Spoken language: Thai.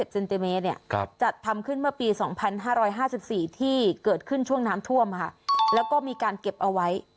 เซนติเมตรจัดทำขึ้นเมื่อปี๒๕๕๔ที่เกิดขึ้นช่วงน้ำท่วมแล้วก็มีการเก็บเอาไว้